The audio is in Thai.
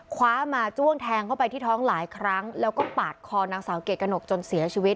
คว้ามาจ้วงแทงเข้าไปที่ท้องหลายครั้งแล้วก็ปาดคอนางสาวเกรกระหนกจนเสียชีวิต